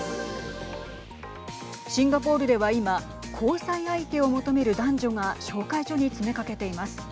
シンガポールでは今交際相手を求める男女が紹介所に詰めかけています。